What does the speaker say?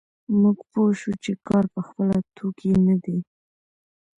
موږ پوه شوو چې کار په خپله توکی نه دی